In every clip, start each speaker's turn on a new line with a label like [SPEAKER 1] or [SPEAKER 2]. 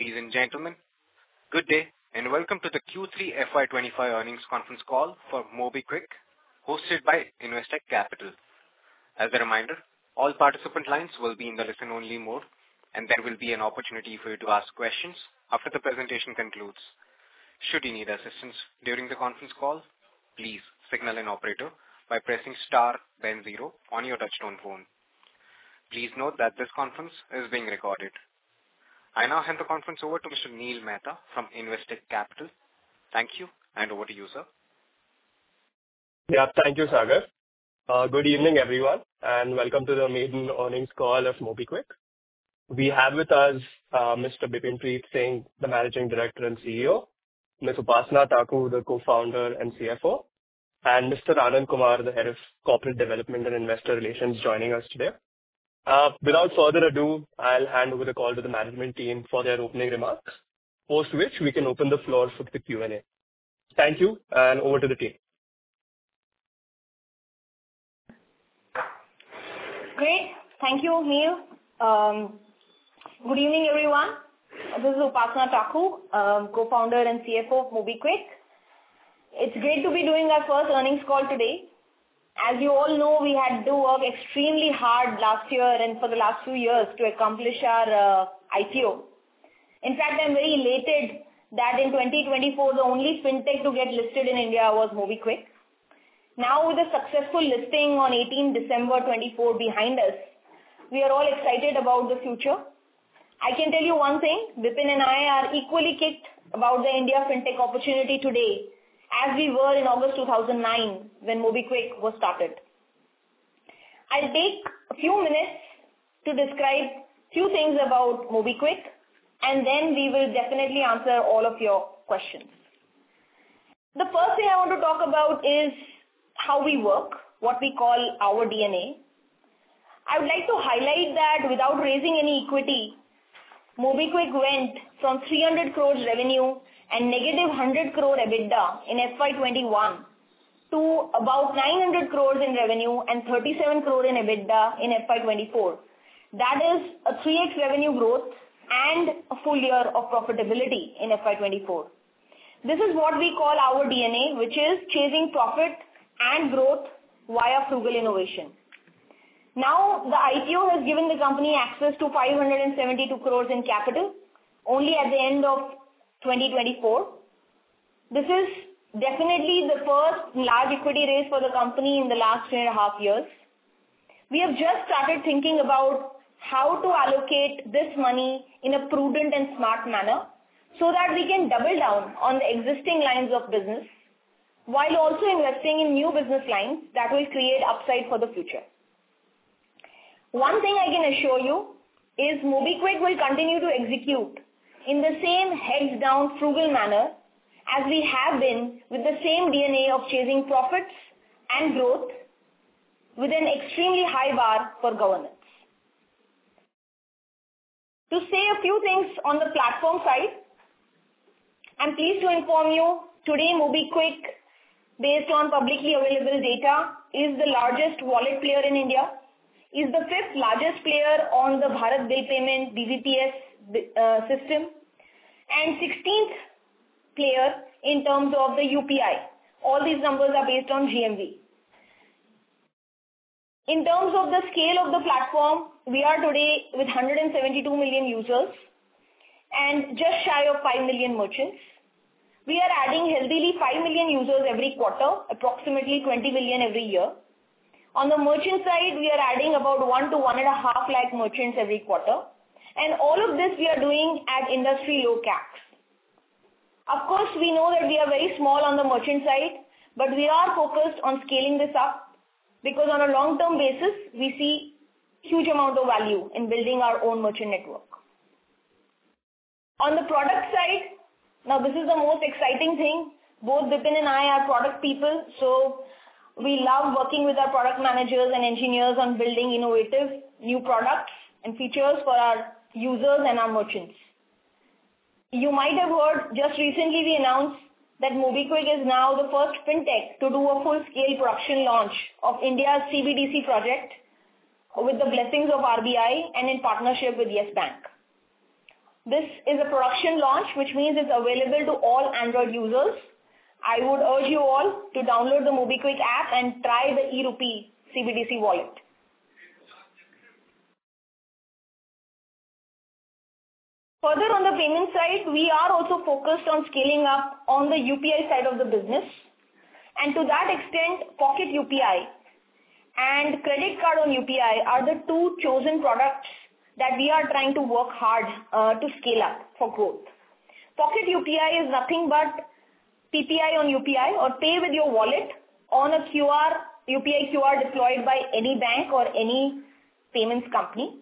[SPEAKER 1] Ladies and gentlemen, good day and welcome to the Q3 FY25 earnings conference call for MobiKwik, hosted by Investec Capital. As a reminder, all participant lines will be in the listen-only mode, and there will be an opportunity for you to ask questions after the presentation concludes. Should you need assistance during the conference call, please signal an operator by pressing star then zero on your touch-tone phone. Please note that this conference is being recorded. I now hand the conference over to Mr. Neel Mehta from Investec Capital. Thank you, and over to you, sir.
[SPEAKER 2] Yeah, thank you, Sagar. Good evening, everyone, and welcome to the Maiden Earnings Call of MobiKwik. We have with us Mr. Bipin Preet Singh, the Managing Director and CEO, Ms. Upasana Taku, the Co-founder and CFO, and Mr. Arun Kumar, the Head of Corporate Development and Investor Relations, joining us today. Without further ado, I'll hand over the call to the management team for their opening remarks, post which we can open the floor for the Q&A. Thank you, and over to the team.
[SPEAKER 3] Great. Thank you, Neel. Good evening, everyone. This is Upasana Taku, Co-founder and CFO of MobiKwik. It's great to be doing our first earnings call today. As you all know, we had to work extremely hard last year and for the last few years to accomplish our IPO. In fact, I'm very elated that in 2024, the only fintech to get listed in India was MobiKwik. Now, with the successful listing on 18 December 2024 behind us, we are all excited about the future. I can tell you one thing: Bipin and I are equally kicked about the India fintech opportunity today, as we were in August 2009 when MobiKwik was started. I'll take a few minutes to describe a few things about MobiKwik, and then we will definitely answer all of your questions. The first thing I want to talk about is how we work, what we call our DNA. I would like to highlight that without raising any equity, MobiKwik went from 300 crores revenue and negative 100 crore EBITDA in FY21 to about 900 crores in revenue and 37 crore in EBITDA in FY24. That is a 3x revenue growth and a full year of profitability in FY24. This is what we call our DNA, which is chasing profit and growth via frugal innovation. Now, the IPO has given the company access to 572 crores in capital only at the end of 2024. This is definitely the first large equity raise for the company in the last three and a half years. We have just started thinking about how to allocate this money in a prudent and smart manner so that we can double down on existing lines of business while also investing in new business lines that will create upside for the future. One thing I can assure you is MobiKwik will continue to execute in the same heads-down, frugal manner as we have been with the same DNA of chasing profits and growth with an extremely high bar for governance. To say a few things on the platform side, I'm pleased to inform you today, MobiKwik, based on publicly available data, is the largest wallet player in India, is the fifth largest player on the Bharat Bill Payment (BBPS) system, and 16th player in terms of the UPI. All these numbers are based on GMV. In terms of the scale of the platform, we are today with 172 million users and just shy of 5 million merchants. We are adding heavily 5 million users every quarter, approximately 20 million every year. On the merchant side, we are adding about 1 to 1.5 lakh merchants every quarter. And all of this we are doing at industry low caps. Of course, we know that we are very small on the merchant side, but we are focused on scaling this up because on a long-term basis, we see a huge amount of value in building our own merchant network. On the product side, now this is the most exciting thing. Both Bipin and I are product people, so we love working with our product managers and engineers on building innovative new products and features for our users and our merchants. You might have heard just recently we announced that MobiKwik is now the first fintech to do a full-scale production launch of India's CBDC project with the blessings of RBI and in partnership with Yes Bank. This is a production launch, which means it's available to all Android users. I would urge you all to download the MobiKwik app and try the e-Rupee CBDC wallet. Further, on the payment side, we are also focused on scaling up on the UPI side of the business. And to that extent, Pocket UPI and Credit Card on UPI are the two chosen products that we are trying to work hard to scale up for growth. Pocket UPI is nothing but PPI on UPI or pay with your wallet on a UPI QR deployed by any bank or any payments company.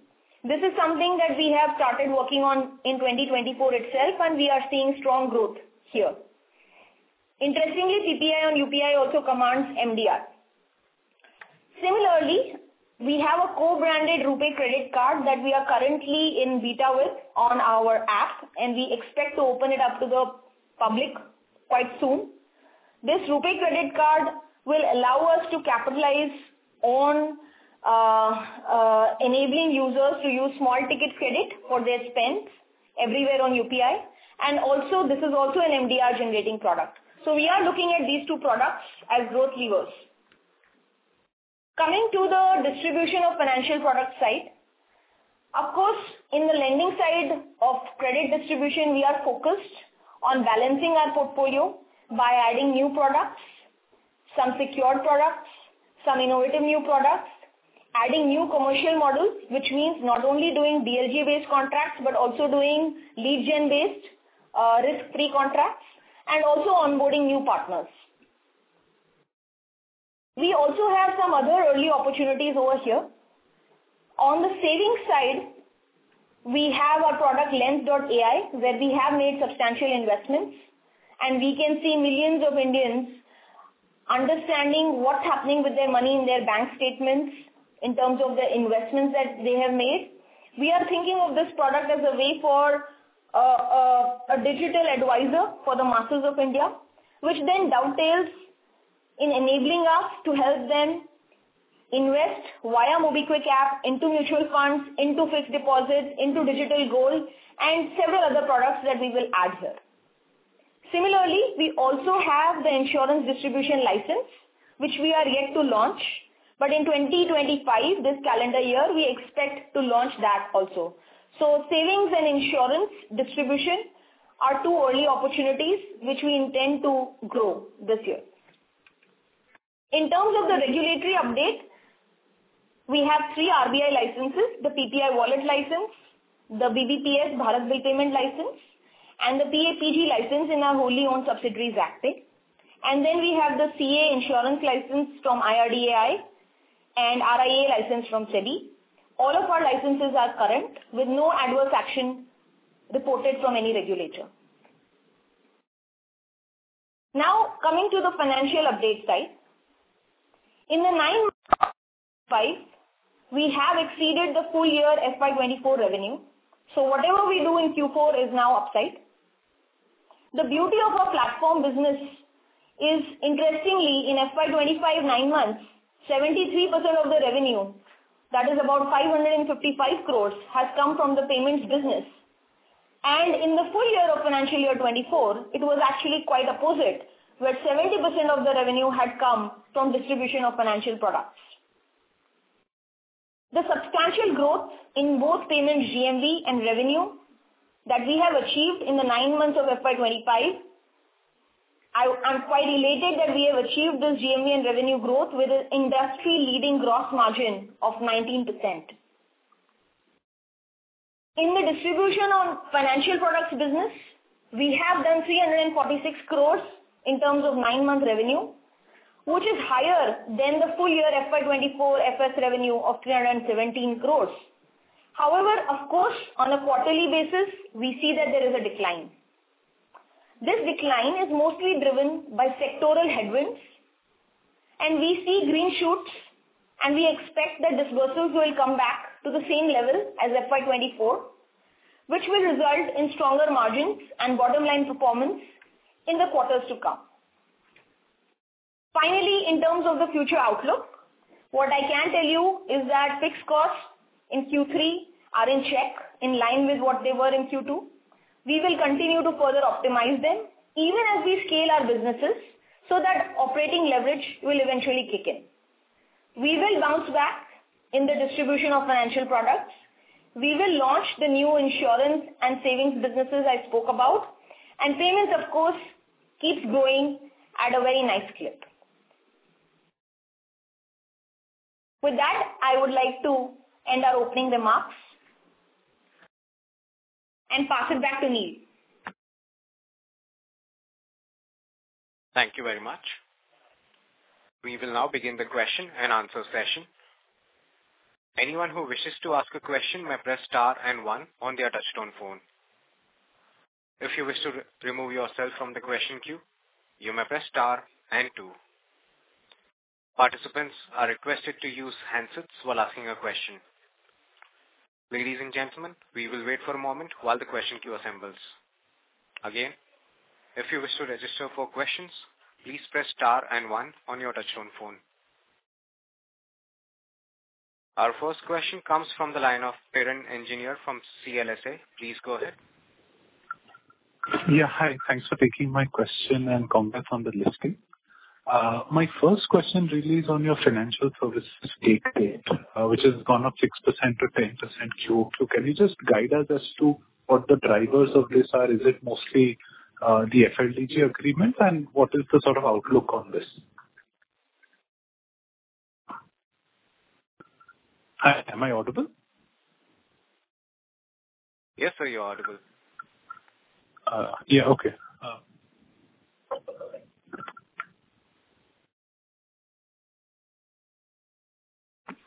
[SPEAKER 3] This is something that we have started working on in 2024 itself, and we are seeing strong growth here. Interestingly, PPI on UPI also commands MDR. Similarly, we have a co-branded RuPay Credit Card that we are currently in beta with on our app, and we expect to open it up to the public quite soon. This RuPay Credit Card will allow us to capitalize on enabling users to use small-ticket credit for their spends everywhere on UPI, and this is also an MDR-generating product, so we are looking at these two products as growth levers. Coming to the distribution of financial product side, of course, in the lending side of credit distribution, we are focused on balancing our portfolio by adding new products, some secured products, some innovative new products, adding new commercial models, which means not only doing DLG-based contracts but also doing lead-gen-based risk-free contracts and also onboarding new partners. We also have some other early opportunities over here. On the savings side, we have our product Lens, where we have made substantial investments, and we can see millions of Indians understanding what's happening with their money in their bank statements in terms of the investments that they have made. We are thinking of this product as a way for a digital advisor for the masses of India, which then dovetails in enabling us to help them invest via MobiKwik app into mutual funds, into fixed deposits, into digital gold, and several other products that we will add here. Similarly, we also have the insurance distribution license, which we are yet to launch. But in 2025, this calendar year, we expect to launch that also. So savings and insurance distribution are two early opportunities which we intend to grow this year. In terms of the regulatory update, we have three RBI licenses: the PPI wallet license, the BBPS Bharat Bill Payment license, and the PA-PG license in our wholly-owned subsidiaries. And then we have the CA insurance license from IRDAI and RIA license from SEBI. All of our licenses are current with no adverse action reported from any regulator. Now, coming to the financial update side, in the nine months of FY25, we have exceeded the full year FY24 revenue. So whatever we do in Q4 is now upside. The beauty of our platform business is, interestingly, in FY25 nine months, 73% of the revenue, that is about 555 crores, has come from the payments business. And in the full year of financial year 2024, it was actually quite opposite, where 70% of the revenue had come from distribution of financial products. The substantial growth in both payments, GMV and revenue, that we have achieved in the nine months of FY25, I'm quite elated that we have achieved this GMV and revenue growth with an industry-leading gross margin of 19%. In the distribution on financial products business, we have done 346 crores in terms of nine-month revenue, which is higher than the full year FY24 FS revenue of 317 crores. However, of course, on a quarterly basis, we see that there is a decline. This decline is mostly driven by sectoral headwinds, and we see green shoots, and we expect that disbursements will come back to the same level as FY24, which will result in stronger margins and bottom-line performance in the quarters to come. Finally, in terms of the future outlook, what I can tell you is that fixed costs in Q3 are in check in line with what they were in Q2. We will continue to further optimize them, even as we scale our businesses, so that operating leverage will eventually kick in. We will bounce back in the distribution of financial products. We will launch the new insurance and savings businesses I spoke about, and payments, of course, keep growing at a very nice clip. With that, I would like to end our opening remarks and pass it back to Neel.
[SPEAKER 1] Thank you very much. We will now begin the question-and-answer session. Anyone who wishes to ask a question may press * and 1 on their touch-tone phone. If you wish to remove yourself from the question queue, you may press * and 2. Participants are requested to use handsets while asking a question. Ladies and gentlemen, we will wait for a moment while the question queue assembles. Again, if you wish to register for questions, please press * and 1 on your touch-tone phone. Our first question comes from the line of Piran Engineer from CLSA. Please go ahead.
[SPEAKER 4] Yeah, hi. Thanks for taking my question and comment on the listing. My first question really is on your financial services gateway, which has gone up 6%-10% Q2. Can you just guide us as to what the drivers of this are? Is it mostly the FLDG agreement, and what is the sort of outlook on this? Hi, am I audible?
[SPEAKER 1] Yes, sir, you're audible.
[SPEAKER 4] Yeah, okay.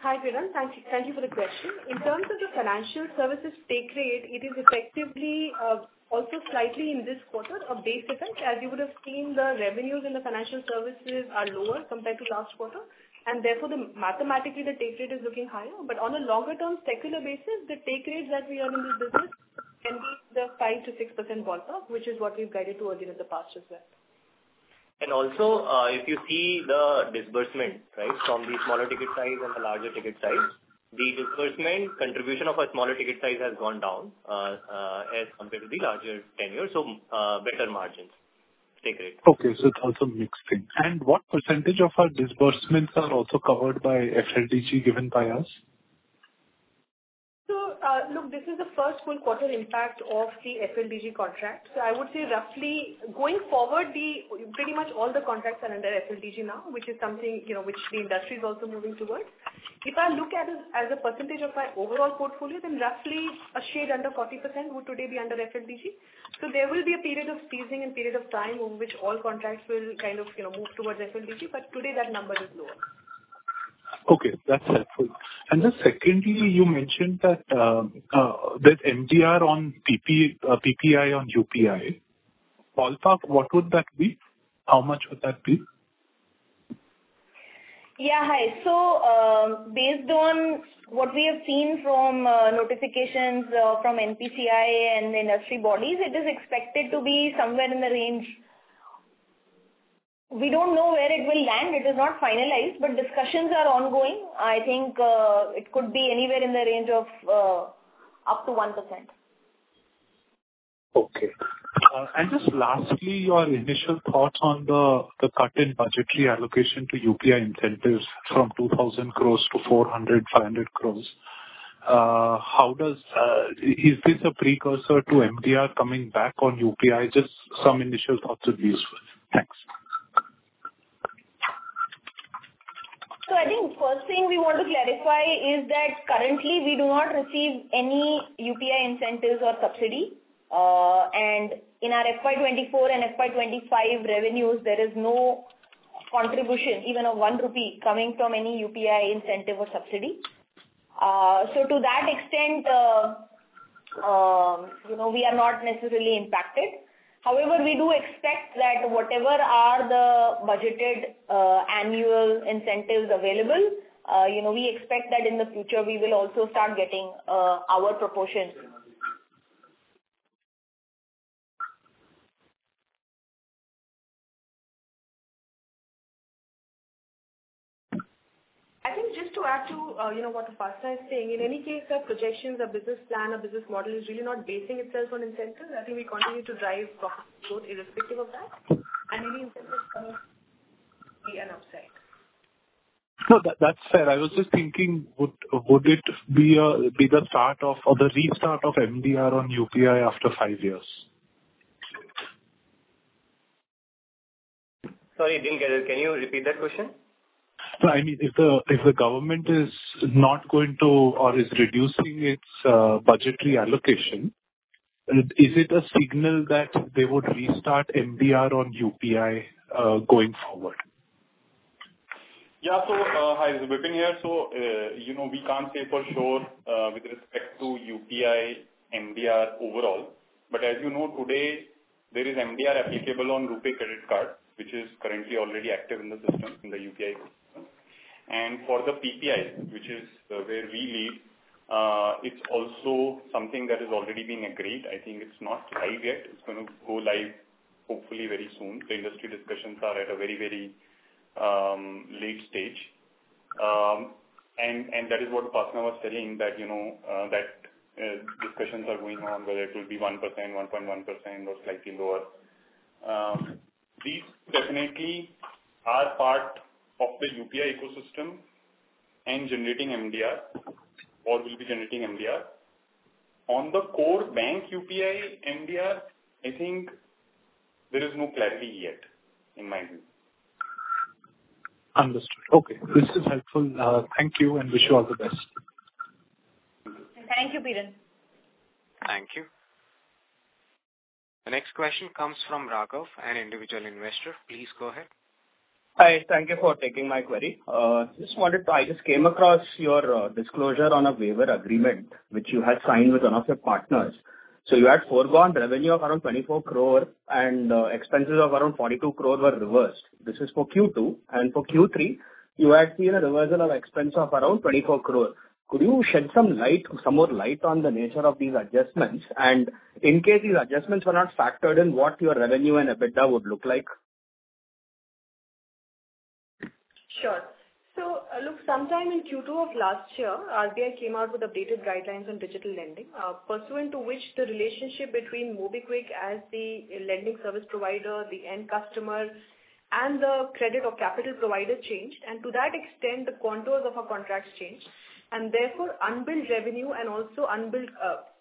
[SPEAKER 3] Hi, Piran. Thank you for the question. In terms of the financial services take rate, it is effectively also slightly in this quarter a base effect, as you would have seen the revenues in the financial services are lower compared to last quarter. And therefore, mathematically, the take rate is looking higher. But on a longer-term secular basis, the take rate that we are in this business can be the 5%-6% ballpark, which is what we've guided to earlier in the past as well.
[SPEAKER 5] And also, if you see the disbursement, right, from the smaller ticket size and the larger ticket size, the disbursement contribution of a smaller ticket size has gone down as compared to the larger tenure, so better margins, take rate.
[SPEAKER 4] Okay, so it's also mixed in, and what percentage of our disbursements are also covered by FLDG given by us?
[SPEAKER 3] So look, this is the first full quarter impact of the FLDG contract. So I would say roughly going forward, pretty much all the contracts are under FLDG now, which is something which the industry is also moving towards. If I look at it as a percentage of my overall portfolio, then roughly a shade under 40% would today be under FLDG. So there will be a period of freezing and period of time over which all contracts will kind of move towards FLDG. But today, that number is lower.
[SPEAKER 4] Okay, that's helpful. And then secondly, you mentioned that there's MDR on PPI on UPI. Ballpark, what would that be? How much would that be?
[SPEAKER 3] Yeah, hi. So based on what we have seen from notifications from NPCI and the industry bodies, it is expected to be somewhere in the range. We don't know where it will land. It is not finalized, but discussions are ongoing. I think it could be anywhere in the range of up to 1%.
[SPEAKER 4] Okay. And just lastly, your initial thoughts on the cut in budgetary allocation to UPI incentives from 2,000 crores to 400-500 crores? Is this a precursor to MDR coming back on UPI? Just some initial thoughts would be useful. Thanks.
[SPEAKER 3] I think the first thing we want to clarify is that currently, we do not receive any UPI incentives or subsidy. And in our FY24 and FY25 revenues, there is no contribution, even a one rupee, coming from any UPI incentive or subsidy. So to that extent, we are not necessarily impacted. However, we do expect that whatever are the budgeted annual incentives available, we expect that in the future, we will also start getting our proportion. I think just to add to what Arun is saying, in any case, our projections, our business plan, our business model is really not basing itself on incentives. I think we continue to drive profit growth irrespective of that. And any incentives come in, it will be an upside.
[SPEAKER 4] No, that's fair. I was just thinking, would it be the start of or the restart of MDR on UPI after five years?
[SPEAKER 5] Sorry, I didn't get it. Can you repeat that question?
[SPEAKER 4] I mean, if the government is not going to or is reducing its budgetary allocation, is it a signal that they would restart MDR on UPI going forward?
[SPEAKER 5] Yeah, so hi, this is Bipin here. So we can't say for sure with respect to UPI, MDR overall. But as you know, today, there is MDR applicable on RuPay Credit Card, which is currently already active in the system, in the UPI system. And for the PPI, which is where we lead, it's also something that has already been agreed. I think it's not live yet. It's going to go live, hopefully, very soon. The industry discussions are at a very, very late stage. And that is what Arun was telling, that discussions are going on, whether it will be 1%, 1.1%, or slightly lower. These definitely are part of the UPI ecosystem and generating MDR or will be generating MDR. On the core bank UPI, MDR, I think there is no clarity yet, in my view.
[SPEAKER 4] Understood. Okay, this is helpful. Thank you and wish you all the best.
[SPEAKER 3] Thank you, Piran.
[SPEAKER 1] Thank you. The next question comes from Raghav, an individual investor. Please go ahead.
[SPEAKER 6] Hi, thank you for taking my query. I just came across your disclosure on a waiver agreement, which you had signed with one of your partners. So you had foregone revenue of around 24 crore, and expenses of around 42 crore were reversed. This is for Q2. And for Q3, you had seen a reversal of expense of around 24 crore. Could you shed some light, some more light on the nature of these adjustments? And in case these adjustments were not factored in, what your revenue and EBITDA would look like?
[SPEAKER 3] Sure. So look, sometime in Q2 of last year, RBI came out with updated guidelines on digital lending, pursuant to which the relationship between MobiKwik as the lending service provider, the end customer, and the credit or capital provider changed. And to that extent, the contours of our contracts changed. And therefore, unbilled revenue and also unbilled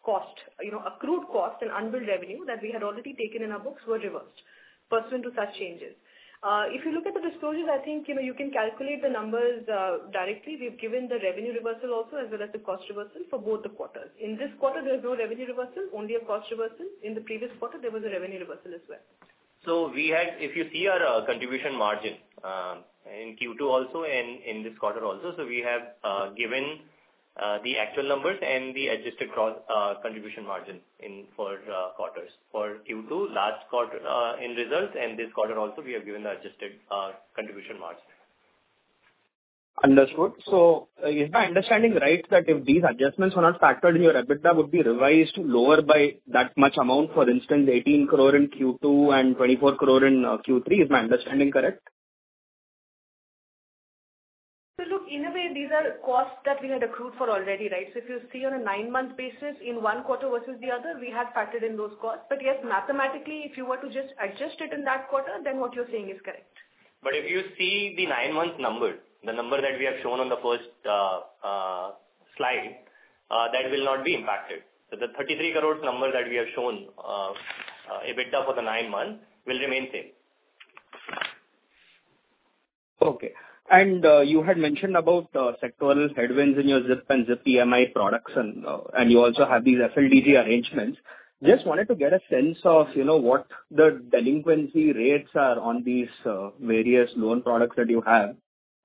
[SPEAKER 3] cost, accrued cost and unbilled revenue that we had already taken in our books were reversed, pursuant to such changes. If you look at the disclosures, I think you can calculate the numbers directly. We've given the revenue reversal also, as well as the cost reversal for both the quarters. In this quarter, there is no revenue reversal, only a cost reversal. In the previous quarter, there was a revenue reversal as well.
[SPEAKER 1] So if you see our contribution margin in Q2 also and in this quarter also, so we have given the actual numbers and the adjusted contribution margin for quarters. For Q2, last quarter in results, and this quarter also, we have given the adjusted contribution margin.
[SPEAKER 6] Understood. So is my understanding right that if these adjustments were not factored in, your EBITDA would be revised lower by that much amount, for instance, 18 crore in Q2 and 24 crore in Q3? Is my understanding correct?
[SPEAKER 3] So look, in a way, these are costs that we had accrued for already, right? So if you see on a nine-month basis, in one quarter versus the other, we had factored in those costs. But yes, mathematically, if you were to just adjust it in that quarter, then what you're saying is correct.
[SPEAKER 1] But if you see the nine-month number, the number that we have shown on the first slide, that will not be impacted. So the 33 crore number that we have shown, EBITDA for the nine months will remain the same.
[SPEAKER 6] Okay. And you had mentioned about sectoral headwinds in your ZIP and ZIP EMI products, and you also have these FLDG arrangements. Just wanted to get a sense of what the delinquency rates are on these various loan products that you have,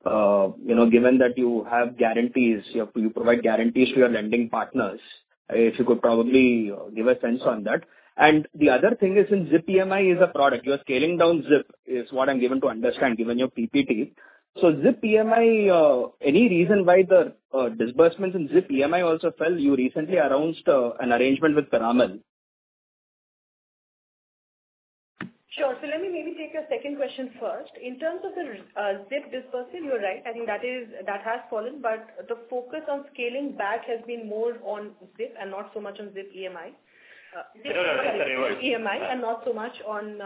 [SPEAKER 6] given that you have guarantees, you provide guarantees to your lending partners, if you could probably give a sense on that. And the other thing is in ZIP EMI is a product. You're scaling down ZIP, is what I'm given to understand, given your PPT. So ZIP EMI, any reason why the disbursements in ZIP EMI also fell? You recently announced an arrangement with Piramal.
[SPEAKER 3] Sure. So let me maybe take your second question first. In terms of the ZIP disbursement, you're right. I think that has fallen, but the focus on scaling back has been more on ZIP and not so much on ZIP EMI.
[SPEAKER 1] No, no, no. Sorry.
[SPEAKER 3] ZIP EMI and not so much on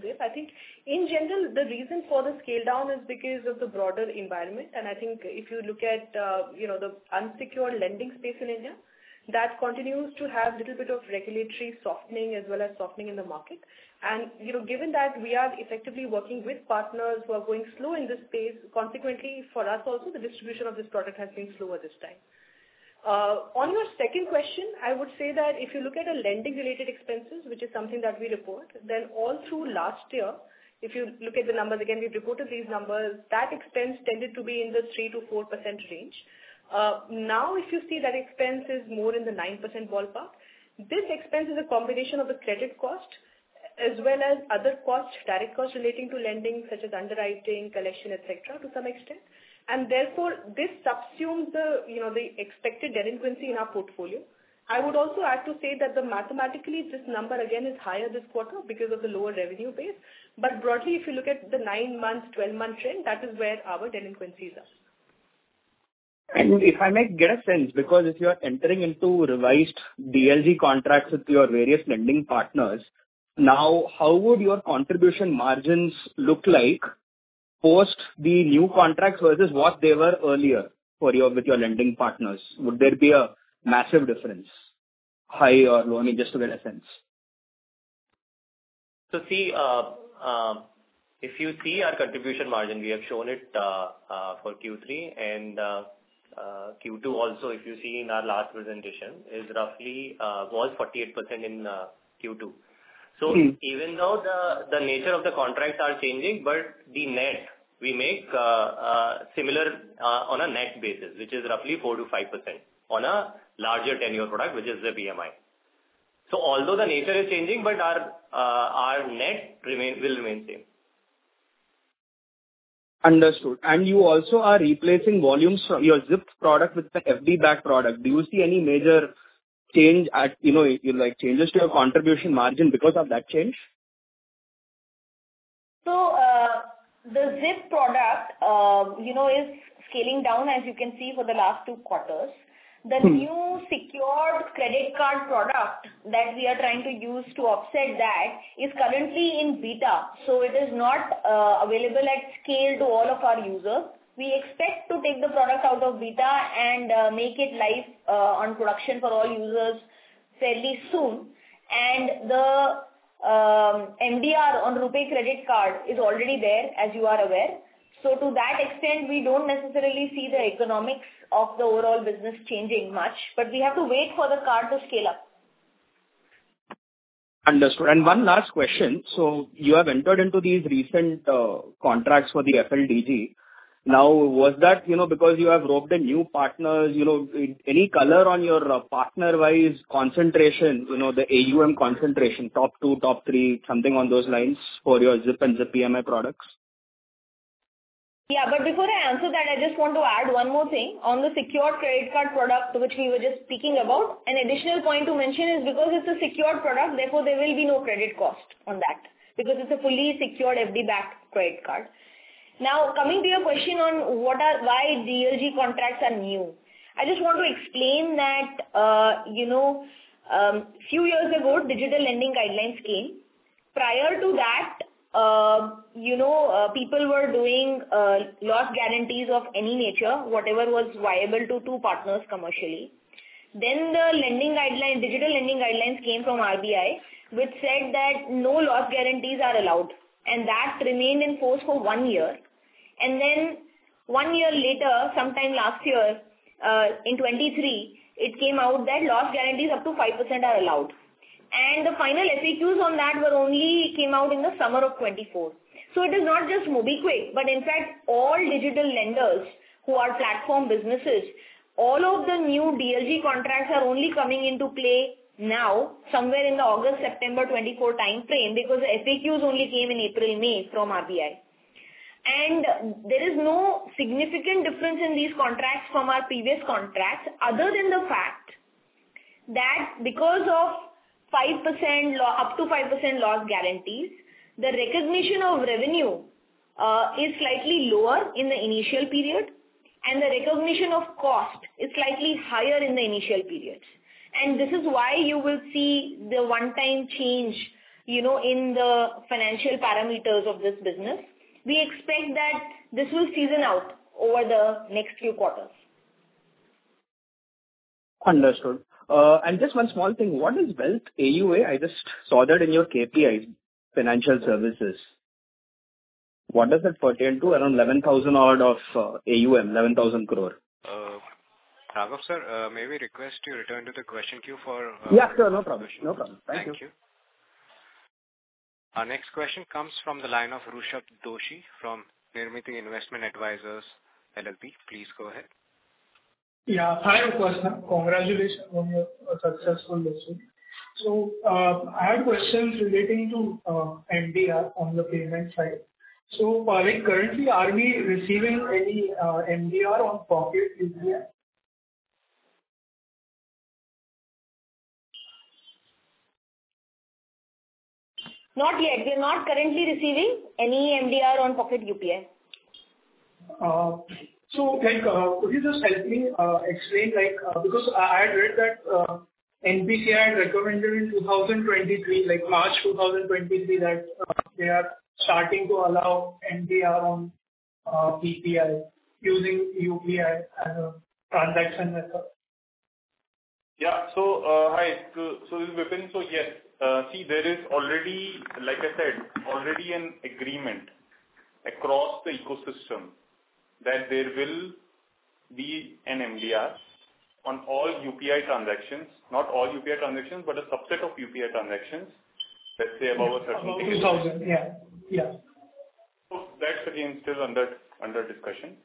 [SPEAKER 3] ZIP. I think, in general, the reason for the scale down is because of the broader environment, and I think if you look at the unsecured lending space in India, that continues to have a little bit of regulatory softening, as well as softening in the market, and given that we are effectively working with partners who are going slow in this space, consequently, for us also, the distribution of this product has been slower this time. On your second question, I would say that if you look at the lending-related expenses, which is something that we report, then all through last year, if you look at the numbers again, we've reported these numbers, that expense tended to be in the 3%-4% range. Now, if you see that expense is more in the 9% ballpark, this expense is a combination of the credit cost, as well as other costs, direct costs relating to lending, such as underwriting, collection, etc., to some extent. And therefore, this subsumes the expected delinquency in our portfolio. I would also add to say that mathematically, this number again is higher this quarter because of the lower revenue base. But broadly, if you look at the 9-month, 12-month trend, that is where our delinquencies are.
[SPEAKER 6] If I may get a sense, because if you're entering into revised DLG contracts with your various lending partners, now, how would your contribution margins look like post the new contracts versus what they were earlier with your lending partners? Would there be a massive difference, high or low? I mean, just to get a sense.
[SPEAKER 5] So see, if you see our contribution margin, we have shown it for Q3. And Q2 also, if you see in our last presentation, it was 48% in Q2. So even though the nature of the contracts are changing, but the net we make similar on a net basis, which is roughly 4%-5% on a larger tenure product, which is ZIP EMI. So although the nature is changing, but our net will remain the same.
[SPEAKER 6] Understood. And you also are replacing volumes from your ZIP product with the FD-backed product. Do you see any major change, changes to your contribution margin because of that change?
[SPEAKER 3] So the ZIP product is scaling down, as you can see, for the last two quarters. The new secured credit card product that we are trying to use to offset that is currently in beta. So it is not available at scale to all of our users. We expect to take the product out of beta and make it live on production for all users fairly soon. And the MDR on RuPay Credit Card is already there, as you are aware. So to that extent, we don't necessarily see the economics of the overall business changing much, but we have to wait for the card to scale up.
[SPEAKER 6] Understood. And one last question. So you have entered into these recent contracts for the FLDG. Now, was that because you have roped in new partners? Any color on your partner-wise concentration, the AUM concentration, top two, top three, something on those lines for your ZIP and ZIP EMI products?
[SPEAKER 3] Yeah, but before I answer that, I just want to add one more thing. On the secured credit card product, which we were just speaking about, an additional point to mention is because it's a secured product, therefore there will be no credit cost on that because it's a fully secured FD-backed credit card. Now, coming to your question on why DLG contracts are new, I just want to explain that a few years ago, digital lending guidelines came. Prior to that, people were doing loss guarantees of any nature, whatever was viable to two partners commercially. Then the digital lending guidelines came from RBI, which said that no loss guarantees are allowed. And that remained in force for one year. And then one year later, sometime last year, in 2023, it came out that loss guarantees up to 5% are allowed. The final FAQs on that came out in the summer of 2024. It is not just MobiKwik, but in fact, all digital lenders who are platform businesses, all of the new DLG contracts are only coming into play now somewhere in the August, September 2024 timeframe because the FAQs only came in April, May from RBI. There is no significant difference in these contracts from our previous contracts, other than the fact that because of up to 5% loss guarantees, the recognition of revenue is slightly lower in the initial period, and the recognition of cost is slightly higher in the initial period. This is why you will see the one-time change in the financial parameters of this business. We expect that this will season out over the next few quarters.
[SPEAKER 6] Understood. And just one small thing. What is wealth AUA? I just saw that in your KPIs, financial services. What does it pertain to? Around 11,000 odd of AUM, 11,000 crore.
[SPEAKER 1] Raghav sir, may we request you return to the question queue for?
[SPEAKER 6] Yeah, sure. No problem. No problem. Thank you.
[SPEAKER 1] Thank you. Our next question comes from the line of Rushabh Doshi from Nirmiti Investment Advisors LLP. Please go ahead.
[SPEAKER 7] Yeah. Hi, Upasana. Congratulations on your successful launching. So I had questions relating to MDR on the payment side. So currently, are we receiving any MDR on Pocket UPI?
[SPEAKER 3] Not yet. We're not currently receiving any MDR on Pocket UPI.
[SPEAKER 7] So could you just help me explain? Because I had read that NPCI had recommended in 2023, March 2023, that they are starting to allow MDR on PPI using UPI as a transaction method.
[SPEAKER 5] Yeah. So hi. So, yes. See, there is already, like I said, already an agreement across the ecosystem that there will be an MDR on all UPI transactions, not all UPI transactions, but a subset of UPI transactions, let's say above a certain limit.
[SPEAKER 7] About 2,000. Yeah. Yeah.
[SPEAKER 5] So that's again still under discussion.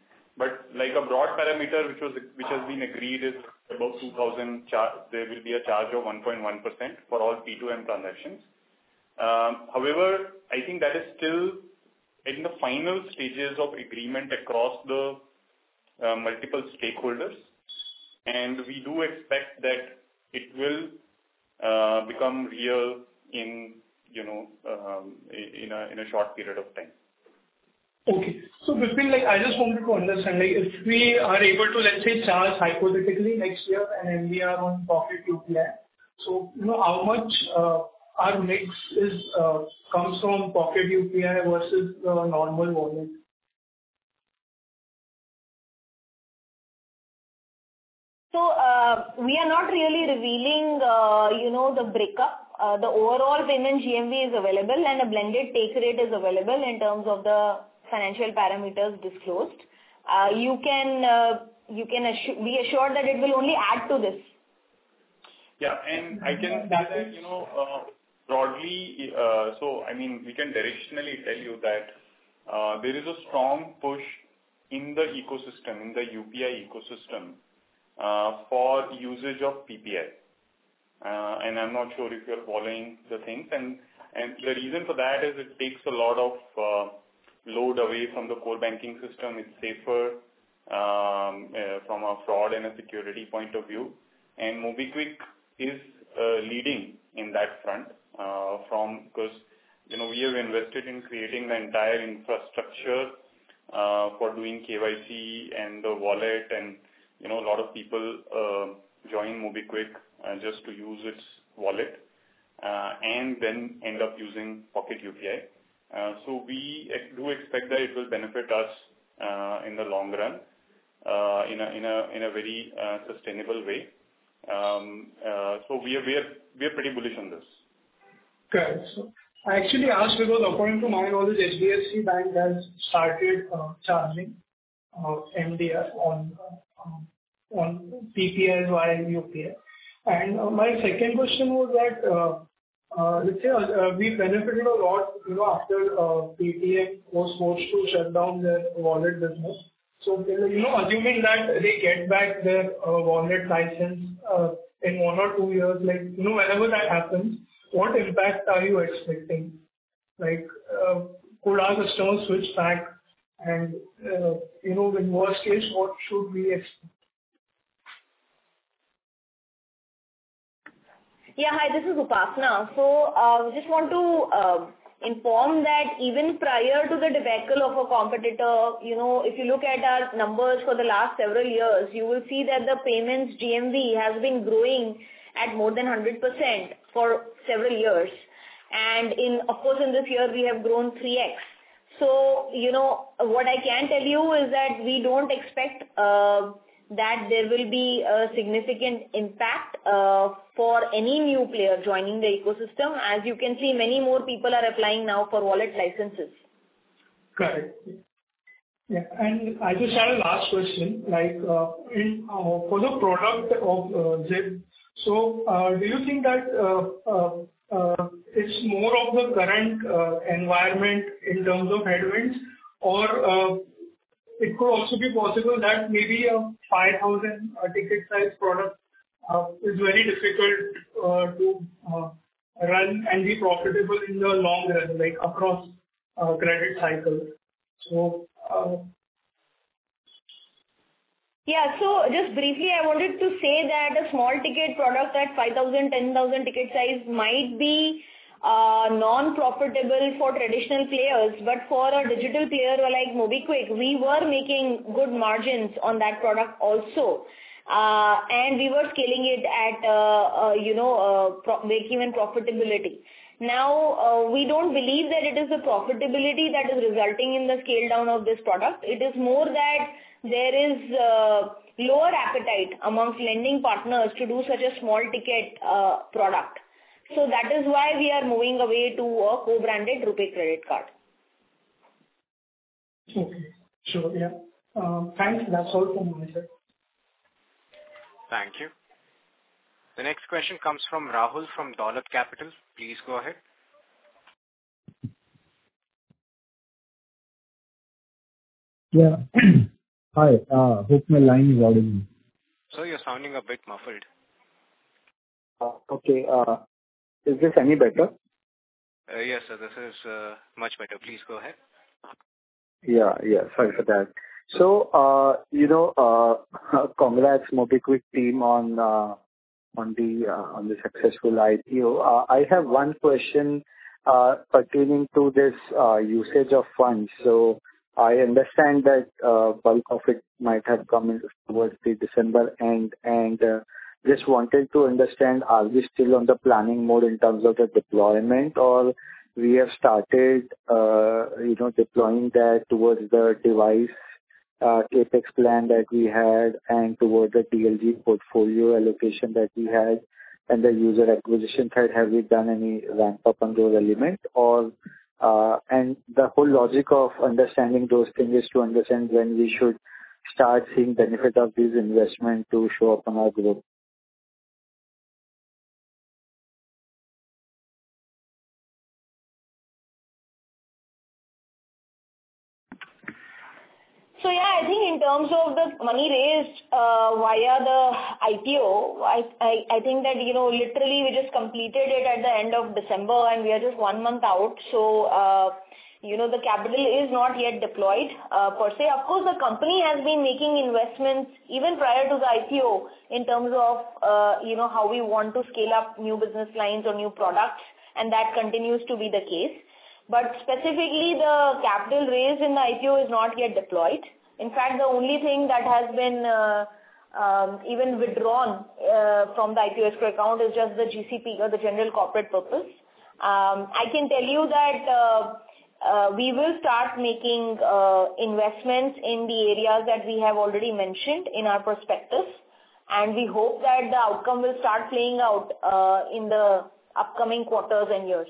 [SPEAKER 5] But a broad parameter which has been agreed is about 2,000. There will be a charge of 1.1% for all P2M transactions. However, I think that is still in the final stages of agreement across the multiple stakeholders. And we do expect that it will become real in a short period of time.
[SPEAKER 7] Okay, so I just wanted to understand, if we are able to, let's say, charge hypothetically next year an MDR on Pocket UPI, so how much our mix comes from Pocket UPI versus the normal wallet?
[SPEAKER 3] So we are not really revealing the breakup. The overall payment GMV is available, and a blended take rate is available in terms of the financial parameters disclosed. You can be assured that it will only add to this.
[SPEAKER 5] Yeah. And I can say that broadly, so I mean, we can directionally tell you that there is a strong push in the ecosystem, in the UPI ecosystem, for usage of PPI. And I'm not sure if you're following the things. And the reason for that is it takes a lot of load away from the core banking system. It's safer from a fraud and a security point of view. And MobiKwik is leading in that front because we have invested in creating the entire infrastructure for doing KYC and the wallet. And a lot of people join MobiKwik just to use its wallet and then end up using Pocket UPI. So we do expect that it will benefit us in the long run in a very sustainable way. So we are pretty bullish on this.
[SPEAKER 7] Got it. So I actually asked because, according to my knowledge, HDFC Bank has started charging MDR on PPI while UPI. And my second question was that, let's say, we benefited a lot after PPI was forced to shut down their wallet business. So assuming that they get back their wallet license in one or two years, whenever that happens, what impact are you expecting? Could our customers switch back? And in worst case, what should we expect?
[SPEAKER 3] Yeah. Hi, this is Rushabh. So I just want to inform that even prior to the debacle of a competitor, if you look at our numbers for the last several years, you will see that the payments GMV has been growing at more than 100% for several years. And of course, in this year, we have grown 3x. So what I can tell you is that we don't expect that there will be a significant impact for any new player joining the ecosystem. As you can see, many more people are applying now for wallet licenses.
[SPEAKER 7] Got it. Yeah. And I just had a last question. For the product of ZIP, so do you think that it's more of the current environment in terms of headwinds, or it could also be possible that maybe a 5,000 ticket-sized product is very difficult to run and be profitable in the long run across credit cycles?
[SPEAKER 3] Yeah. So just briefly, I wanted to say that a small ticket product at 5,000, 10,000 ticket size might be non-profitable for traditional players. But for a digital player like MobiKwik, we were making good margins on that product also. And we were scaling it at break-even profitability. Now, we don't believe that it is the profitability that is resulting in the scale down of this product. It is more that there is lower appetite amongst lending partners to do such a small ticket product. So that is why we are moving away to a co-branded RuPay Credit Card.
[SPEAKER 7] Okay. Sure. Yeah. Thanks. That's all from my side.
[SPEAKER 1] Thank you. The next question comes from Rahul from Dolat Capital. Please go ahead.
[SPEAKER 8] Yeah. Hi. Hope my line is audible.
[SPEAKER 1] So you're sounding a bit muffled.
[SPEAKER 8] Okay. Is this any better?
[SPEAKER 1] Yes, sir. This is much better. Please go ahead.
[SPEAKER 8] Yeah. Yeah. Sorry for that. So congrats, MobiKwik team, on the successful IPO. I have one question pertaining to this usage of funds. So I understand that bulk of it might have come towards the December end. And just wanted to understand, are we still on the planning mode in terms of the deployment, or we have started deploying that towards the device Apex plan that we had and towards the DLG portfolio allocation that we had and the user acquisition side? Have we done any ramp-up on those elements? And the whole logic of understanding those things is to understand when we should start seeing benefit of these investments to show up on our growth.
[SPEAKER 3] So yeah, I think in terms of the money raised via the IPO, I think that literally we just completed it at the end of December, and we are just one month out. So the capital is not yet deployed per se. Of course, the company has been making investments even prior to the IPO in terms of how we want to scale up new business lines or new products, and that continues to be the case. But specifically, the capital raised in the IPO is not yet deployed. In fact, the only thing that has been even withdrawn from the IPO escrow account is just the GCP or the General Corporate Purpose. I can tell you that we will start making investments in the areas that we have already mentioned in our prospectus. And we hope that the outcome will start playing out in the upcoming quarters and years.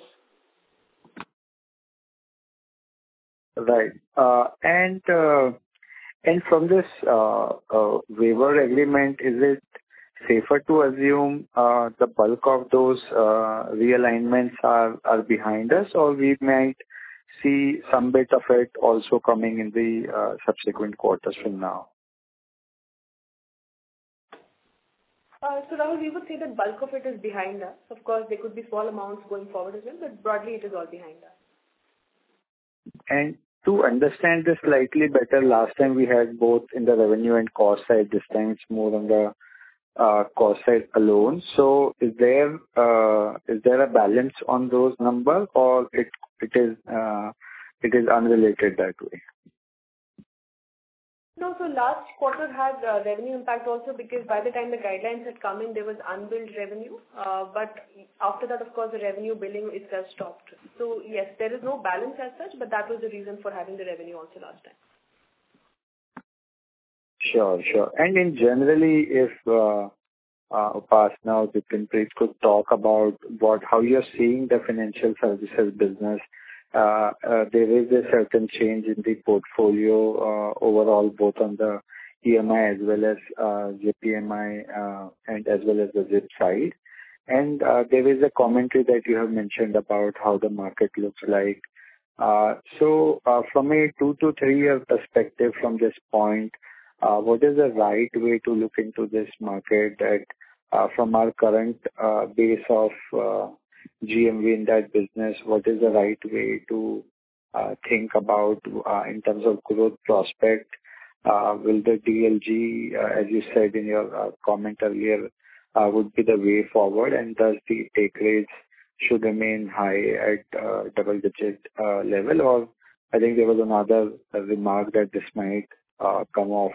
[SPEAKER 8] Right. And from this waiver agreement, is it safer to assume the bulk of those realignments are behind us, or we might see some bit of it also coming in the subsequent quarters from now?
[SPEAKER 3] So Rahul, we would say the bulk of it is behind us. Of course, there could be small amounts going forward as well, but broadly, it is all behind us.
[SPEAKER 8] And to understand this slightly better, last time we had both in the revenue and cost side. This time, it's more on the cost side alone. So is there a balance on those numbers, or it is unrelated that way?
[SPEAKER 3] No. So last quarter had revenue impact also because by the time the guidelines had come in, there was unbilled revenue. But after that, of course, the revenue billing itself stopped. So yes, there is no balance as such, but that was the reason for having the revenue also last time.
[SPEAKER 8] Sure. Sure. Then generally, if Rushabh or Bipin Preet could talk about how you're seeing the financial services business, there is a certain change in the portfolio overall, both on the EMI as well as ZIP EMI and as well as the ZIP side. There is a commentary that you have mentioned about how the market looks like. From a two to three-year perspective from this point, what is the right way to look into this market from our current base of GMV in that business? What is the right way to think about in terms of growth prospect? Will the DLG, as you said in your comment earlier, be the way forward? Does the take rates should remain high at double-digit level? Or I think there was another remark that this might come off.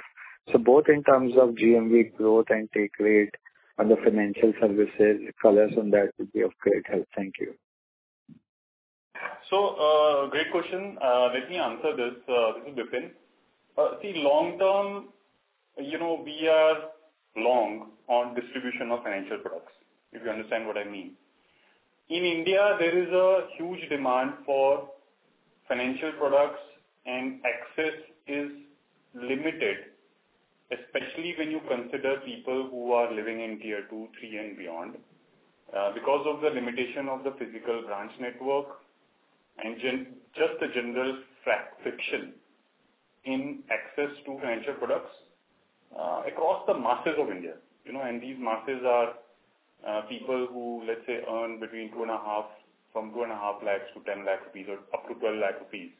[SPEAKER 8] So both in terms of GMV growth and take rate on the financial services, color on that would be of great help. Thank you.
[SPEAKER 5] So, great question. Let me answer this, Bipin. See, long term, we are long on distribution of financial products, if you understand what I mean. In India, there is a huge demand for financial products, and access is limited, especially when you consider people who are living in tier two, three, and beyond. Because of the limitation of the physical branch network and just the general friction in access to financial products across the masses of India. And these masses are people who, let's say, earn between two and a half lakhs to 10 lakhs or up to 12 lakhs rupees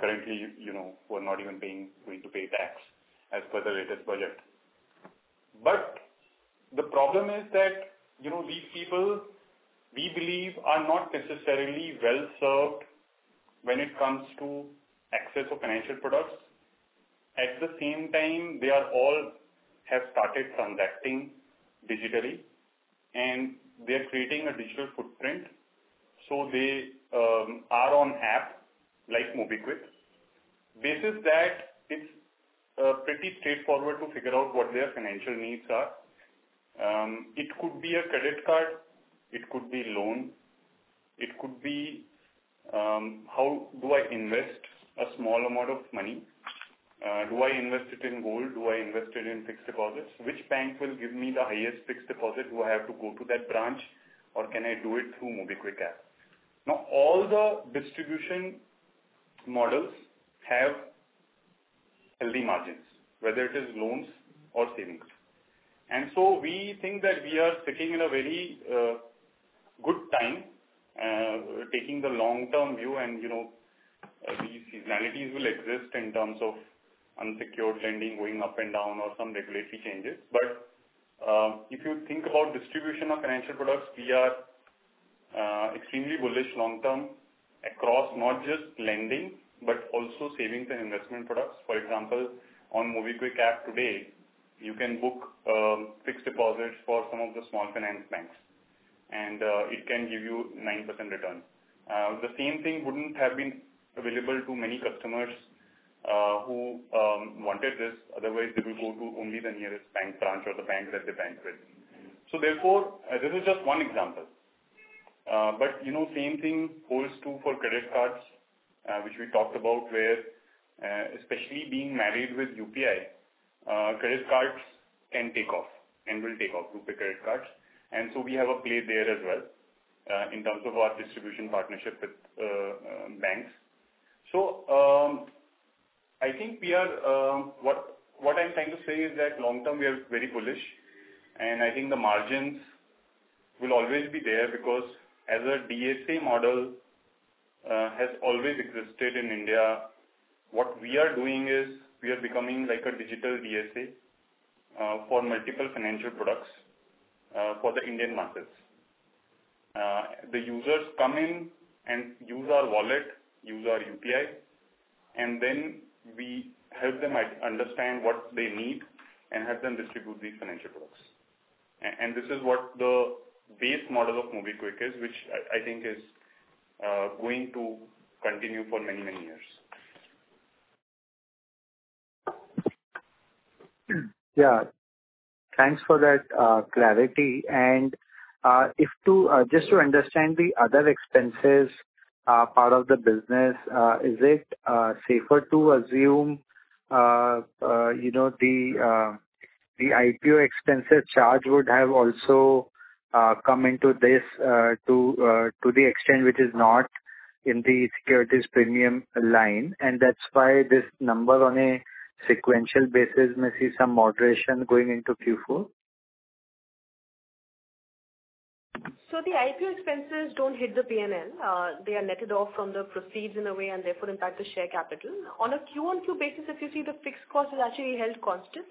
[SPEAKER 5] currently who are not even going to pay tax as per the latest budget. But the problem is that these people, we believe, are not necessarily well served when it comes to access of financial products. At the same time, they all have started transacting digitally, and they are creating a digital footprint. So they are on app like MobiKwik, basis that it's pretty straightforward to figure out what their financial needs are. It could be a credit card. It could be loan. It could be how do I invest a small amount of money? Do I invest it in gold? Do I invest it in fixed deposits? Which bank will give me the highest fixed deposit? Do I have to go to that branch, or can I do it through MobiKwik app? Now, all the distribution models have healthy margins, whether it is loans or savings. And so we think that we are sitting in a very good time taking the long-term view, and these seasonalities will exist in terms of unsecured lending going up and down or some regulatory changes. But if you think about distribution of financial products, we are extremely bullish long term across not just lending but also savings and investment products. For example, on MobiKwik app today, you can book fixed deposits for some of the small finance banks, and it can give you 9% return. The same thing wouldn't have been available to many customers who wanted this. Otherwise, they will go to only the nearest bank branch or the bank that they bank with. So therefore, this is just one example. But same thing holds true for credit cards, which we talked about, where especially being married with UPI, credit cards can take off and will take off, RuPay credit cards. And so we have a play there as well in terms of our distribution partnership with banks. So I think what I'm trying to say is that long term, we are very bullish. And I think the margins will always be there because as a DSA model has always existed in India. What we are doing is we are becoming like a digital DSA for multiple financial products for the Indian markets. The users come in and use our wallet, use our UPI, and then we help them understand what they need and help them distribute these financial products. And this is what the base model of MobiKwik is, which I think is going to continue for many, many years.
[SPEAKER 8] Yeah. Thanks for that clarity. And just to understand the other expenses part of the business, is it safer to assume the IPO expenses charge would have also come into this to the extent which is not in the securities premium line? And that's why this number on a sequential basis, may see some moderation going into Q4?
[SPEAKER 3] So the IPO expenses don't hit the P&L. They are netted off from the proceeds in a way and therefore impact the share capital. On a Q1Q basis, if you see the fixed cost is actually held constant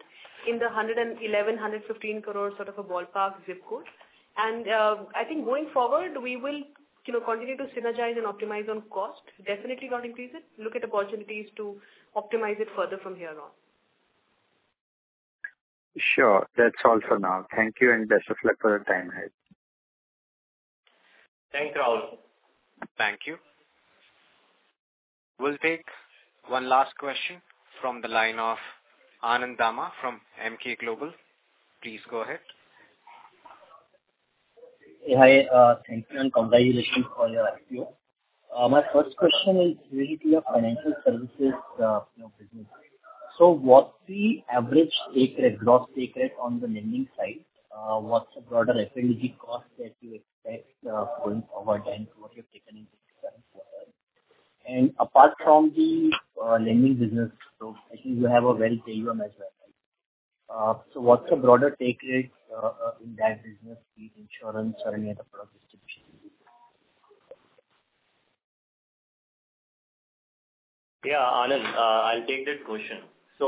[SPEAKER 3] in the 111-115 crores sort of a ballpark ZIP code. And I think going forward, we will continue to synergize and optimize on cost, definitely not increase it. Look at opportunities to optimize it further from here on.
[SPEAKER 8] Sure. That's all for now. Thank you and best of luck for the time ahead.
[SPEAKER 5] Thank you, Rahul.
[SPEAKER 1] Thank you. We'll take one last question from the line of Anand Dama from Emkay Global. Please go ahead.
[SPEAKER 9] Hey, hi. Thank you and congratulations for your IPO. My first question is related to your financial services business. So what's the average take rate, gross take rate on the lending side? What's the broader funding cost that you expect going forward and what you've taken into account? And apart from the lending business, so I think you have a very clear one as well. So what's the broader take rate in that business, insurance, or any other product distribution?
[SPEAKER 5] Yeah, Anand, I'll take that question. So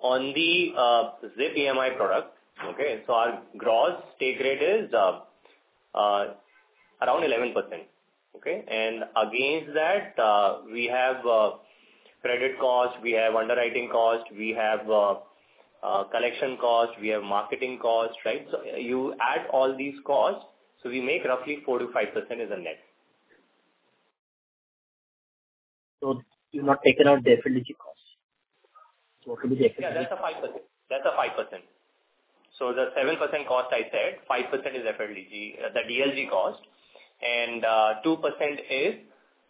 [SPEAKER 5] on the ZIP EMI product, okay, so our gross take rate is around 11%. Okay. And against that, we have credit cost, we have underwriting cost, we have collection cost, we have marketing cost, right? So you add all these costs, so we make roughly 4%-5% as a net.
[SPEAKER 9] So you've not taken out the FLDG cost. So what would be the FLDG?
[SPEAKER 5] Yeah, that's a 5%. That's a 5%. So the 7% cost I said, 5% is funding, the DLG cost, and 2% is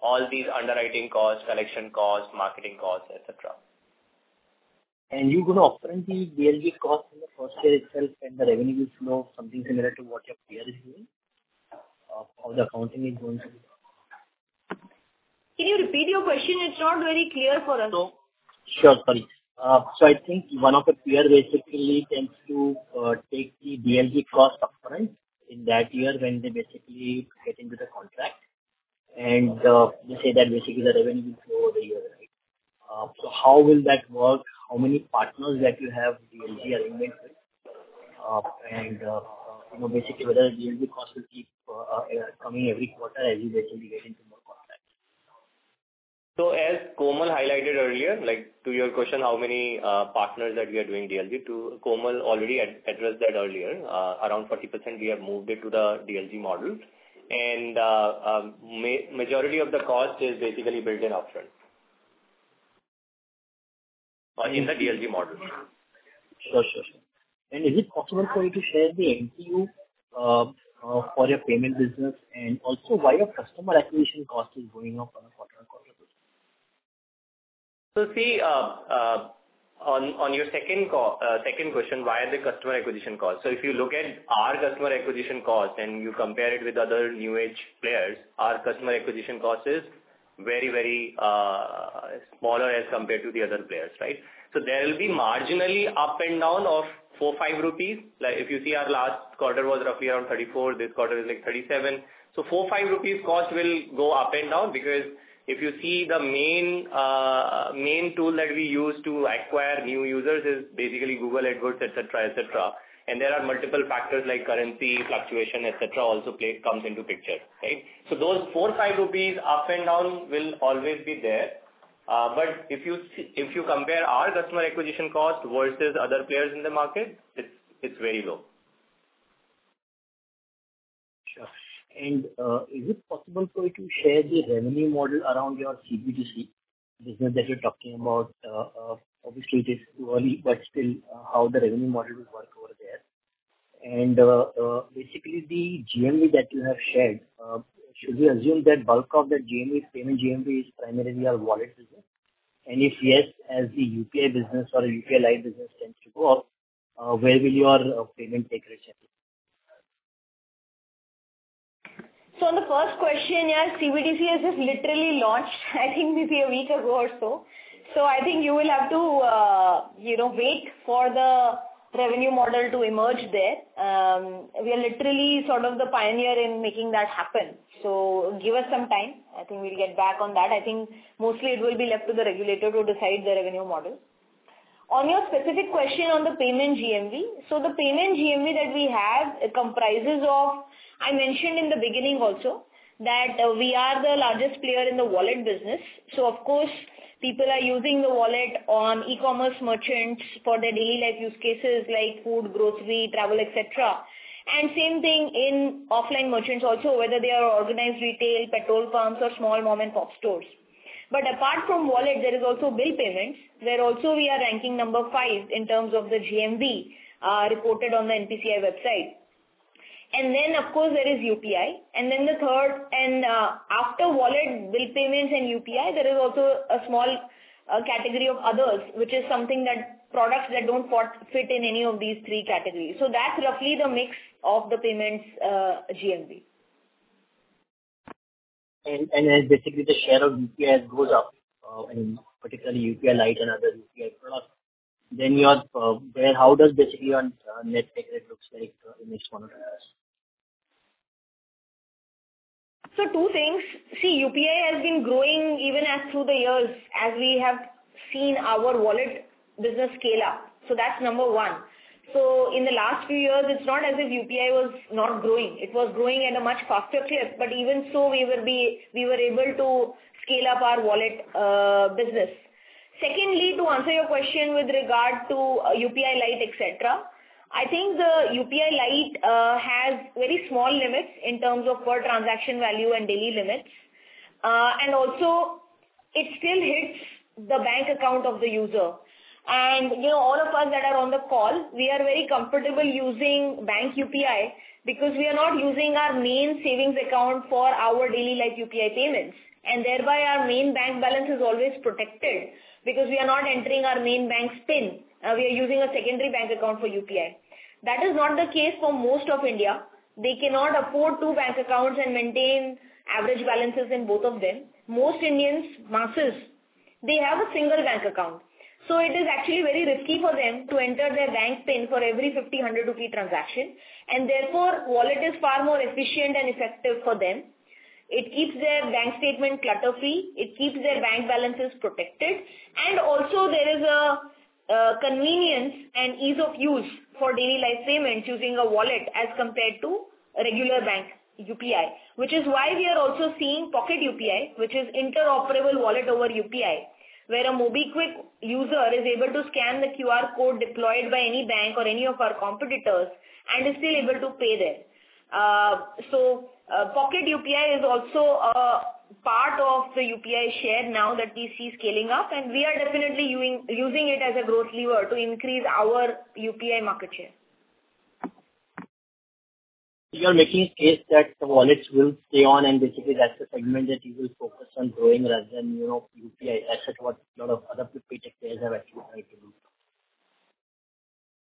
[SPEAKER 5] all these underwriting cost, collection cost, marketing cost, etc.
[SPEAKER 9] And you're going to offer the DLG cost in the first year itself, and the revenue will flow something similar to what your PI is doing? How the accounting is going to be?
[SPEAKER 3] Can you repeat your question? It's not very clear for us.
[SPEAKER 9] Sure. Sorry. So I think one of the PPI basically tends to take the DLG cost upfront in that year when they basically get into the contract, and they say that basically the revenue will flow over the year, right? So how will that work? How many partners that you have DLG alignment with? And basically, whether DLG cost will keep coming every quarter as you basically get into more contracts? So as Kumar highlighted earlier, to your question, how many partners that we are doing DLG, Kumar already addressed that earlier. Around 40%, we have moved it to the DLG model. And majority of the cost is basically built in upfront in the DLG model. Sure, sure, sure. And is it possible for you to share the MTU for your payment business and also why your customer acquisition cost is going up on a quarter-on-quarter basis?
[SPEAKER 5] So see, on your second question, why are the customer acquisition costs? So if you look at our customer acquisition cost and you compare it with other new-age players, our customer acquisition cost is very, very smaller as compared to the other players, right? So there will be marginally up and down of 4-5 rupees. If you see our last quarter was roughly around 34, this quarter is like 37. So 4-5 rupees cost will go up and down because if you see the main tool that we use to acquire new users is basically Google AdWords, etc., etc. And there are multiple factors like currency fluctuation, etc. also comes into picture, right? So those 4-5 rupees up and down will always be there. But if you compare our customer acquisition cost versus other players in the market, it's very low.
[SPEAKER 9] Sure. And is it possible for you to share the revenue model around your CBDC business that you're talking about? Obviously, it is early, but still how the revenue model will work over there. And basically, the GMV that you have shared, should we assume that bulk of that payment GMV is primarily our wallet business? And if yes, as the UPI business or UPI line business tends to go, where will your payment take rate shift?
[SPEAKER 3] So on the first question, yeah, CBDC has just literally launched, I think, maybe a week ago or so. So I think you will have to wait for the revenue model to emerge there. We are literally sort of the pioneer in making that happen. So give us some time. I think we'll get back on that. I think mostly it will be left to the regulator to decide the revenue model. On your specific question on the payment GMV, so the payment GMV that we have comprises of, I mentioned in the beginning also that we are the largest player in the wallet business. So of course, people are using the wallet on e-commerce merchants for their daily life use cases like food, grocery, travel, etc. And same thing in offline merchants also, whether they are organized retail, petrol pumps, or small mom-and-pop stores. But apart from wallet, there is also bill payments, where also we are ranking number five in terms of the GMV reported on the NPCI website. And then, of course, there is UPI. And then the third, and after wallet, bill payments, and UPI, there is also a small category of others, which is something that products that don't fit in any of these three categories. So that's roughly the mix of the payments GMV.
[SPEAKER 8] As basically the share of UPI goes up, particularly UPI Lite and other UPI products, then how does basically the net take rate look like in this quarter?
[SPEAKER 3] Two things. See, UPI has been growing even as through the years as we have seen our wallet business scale up. That's number one. In the last few years, it's not as if UPI was not growing. It was growing at a much faster clip. But even so, we were able to scale up our wallet business. Secondly, to answer your question with regard to UPI Lite, etc., I think the UPI Lite has very small limits in terms of per transaction value and daily limits, and also it still hits the bank account of the user, and all of us that are on the call, we are very comfortable using bank UPI because we are not using our main savings account for our daily life UPI payments, and thereby our main bank balance is always protected because we are not entering our main bank's PIN. We are using a secondary bank account for UPI. That is not the case for most of India. They cannot afford two bank accounts and maintain average balances in both of them. Most Indians, masses, they have a single bank account. So it is actually very risky for them to enter their bank PIN for every 50, 100 rupee transaction. And therefore, wallet is far more efficient and effective for them. It keeps their bank statement clutter-free. It keeps their bank balances protected. And also, there is a convenience and ease of use for daily life payments using a wallet as compared to regular bank UPI, which is why we are also seeing Pocket UPI, which is interoperable wallet over UPI, where a MobiKwik user is able to scan the QR code deployed by any bank or any of our competitors and is still able to pay there. So Pocket UPI is also part of the UPI share now that we see scaling up, and we are definitely using it as a growth lever to increase our UPI market share.
[SPEAKER 9] You are making a case that wallets will stay on, and basically, that's the segment that you will focus on growing rather than UPI, as a lot of other paytech players have actually tried to do.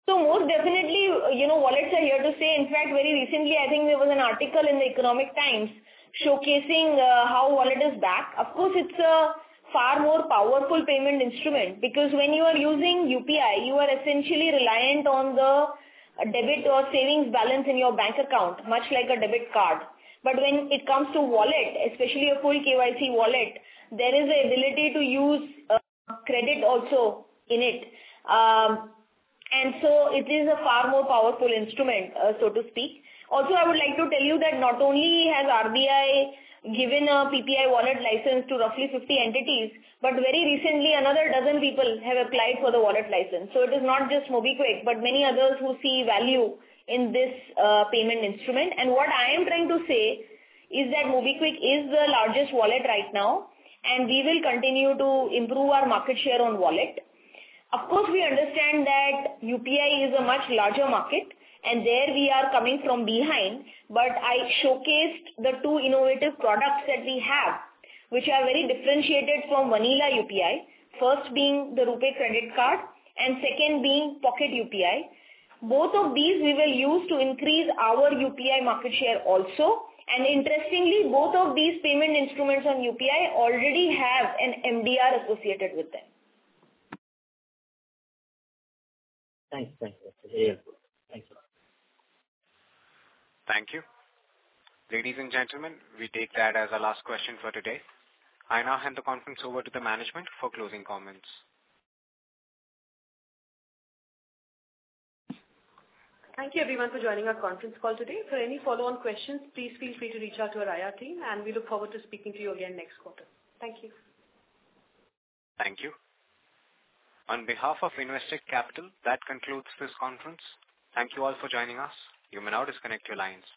[SPEAKER 3] So most definitely, wallets are here to stay. In fact, very recently, I think there was an article in The Economic Times showcasing how wallet is back. Of course, it's a far more powerful payment instrument because when you are using UPI, you are essentially reliant on the debit or savings balance in your bank account, much like a debit card. But when it comes to wallet, especially a full KYC wallet, there is an ability to use credit also in it. And so it is a far more powerful instrument, so to speak. Also, I would like to tell you that not only has RBI given a PPI wallet license to roughly 50 entities, but very recently, another dozen people have applied for the wallet license. So it is not just MobiKwik, but many others who see value in this payment instrument. And what I am trying to say is that MobiKwik is the largest wallet right now, and we will continue to improve our market share on wallet. Of course, we understand that UPI is a much larger market, and there we are coming from behind. But I showcased the two innovative products that we have, which are very differentiated from vanilla UPI, first being the RuPay Credit Card and second being Pocket UPI. Both of these we will use to increase our UPI market share also. And interestingly, both of these payment instruments on UPI already have an MDR associated with them.
[SPEAKER 9] Thanks. Thank you.
[SPEAKER 1] Thank you. Ladies and gentlemen, we take that as our last question for today. I now hand the conference over to the management for closing comments.
[SPEAKER 3] Thank you, everyone, for joining our conference call today. For any follow-on questions, please feel free to reach out to our IR team, and we look forward to speaking to you again next quarter. Thank you.
[SPEAKER 1] Thank you. On behalf of Investec Capital, that concludes this conference. Thank you all for joining us. You may now disconnect your lines.